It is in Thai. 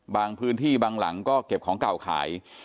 บางพื้นที่บางหลังก็เก็บของเก่าขาย